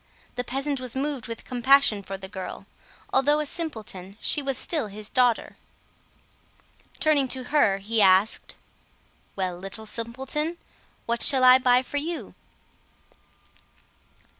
The peasant was moved with compassion for the girl; although a simpleton she was still his daughter. Turning to her he asked "Well, Little Simpleton, what shall I buy for you?"